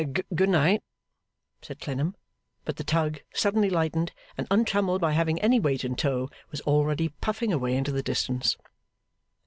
'Good night!' said Clennam. But the Tug, suddenly lightened, and untrammelled by having any weight in tow, was already puffing away into the distance.